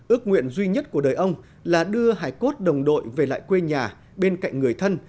ước nguyện duy nhất của đời ông là đưa hải cốt đồng đội về lại quê nhà bên cạnh người thân